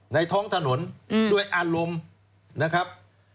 ท้องถนนด้วยอารมณ์นะครับ